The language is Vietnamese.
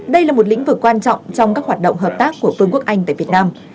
đây là một lĩnh vực quan trọng trong các hoạt động hợp tác của vương quốc anh tại việt nam